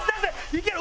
いける！